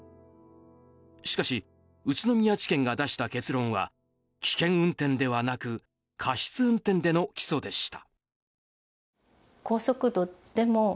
しかし宇都宮地検が出した結論は、危険運転ではなく過失運転での起訴でした。